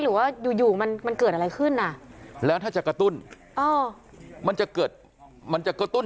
หรือว่าอยู่อยู่มันมันเกิดอะไรขึ้นอ่ะแล้วถ้าจะกระตุ้นอ๋อมันจะเกิดมันจะกระตุ้น